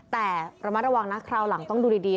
แต่ระมัดระวังนะคราวหลังต้องดูดี